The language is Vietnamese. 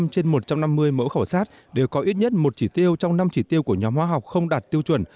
một trăm hai mươi năm trên một trăm năm mươi mẫu khảo sát đều có ít nhất một chỉ tiêu trong năm chỉ tiêu của nhóm khoa học không đạt tiêu chuẩn